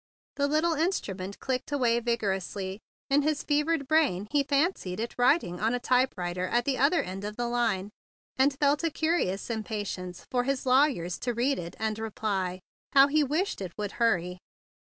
The little instrument clicked away vigorously. In his fevered brain he fancied it writing on a typewriter at the other end of the line, and felt a curious impatience for his lawyer to read it and reply. How he wished it would hurry!